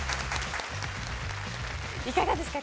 いかがですか？